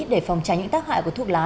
để phòng tránh những tác hại của thuốc lá